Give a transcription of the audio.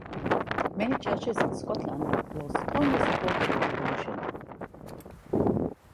Many churches in Scotland were strongly supportive of devolution.